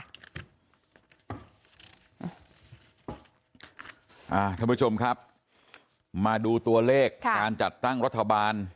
ท่านผู้ชมครับมาดูตัวเลขการจัดตั้งรัฐบาล